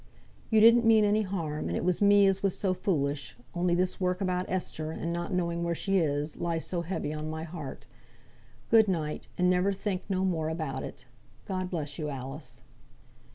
"You didn't mean any harm, and it was me as was so foolish; only this work about Esther, and not knowing where she is, lies so heavy on my heart. Good night, and never think no more about it. God bless you, Alice."